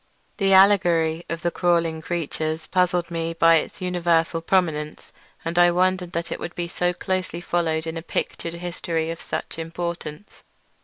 The allegory of the crawling creatures puzzled me by its universal prominence, and I wondered that it should be so closely followed in a pictured history of such importance.